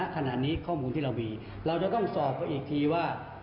ข้อมูลที่เรามีเราจะต้องสอบกันอีกทีว่า